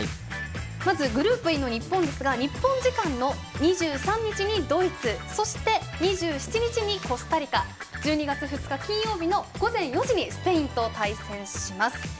まずグループＥの日本ですが日本時間の２３日にドイツそして２７日にコスタリカ１２月２日、金曜日の午前４時にスペインと対戦します。